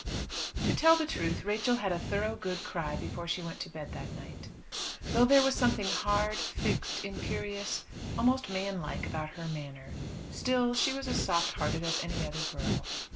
To tell the truth, Rachel had a thorough good cry before she went to bed that night. Though there was something hard, fixed, imperious, almost manlike about her manner, still she was as soft hearted as any other girl.